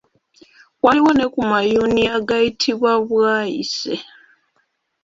Waliwo ne ku mayuuni agayitibwa Bwayiise.